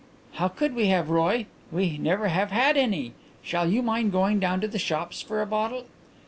"How could we have, Roy? We never have had any. Shall you mind going down to the shops for a bottle?"